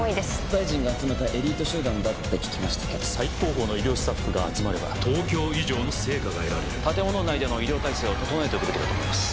大臣が集めたエリート集団だって聞きましたけど最高峰の医療スタッフが集まれば東京以上の成果が得られる建物内での医療態勢を整えておくべきだと思います